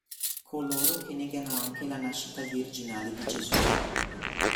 Coloro che negano anche la nascita virginale di Gesù.